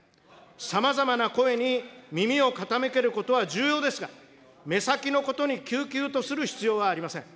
さまざまな声に耳を傾けることは重要ですが、目先のことにきゅうきゅうとする必要はありません。